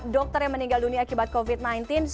dokter yang meninggal dunia akibat covid sembilan belas